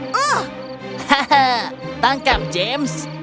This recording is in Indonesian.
haha tangkap james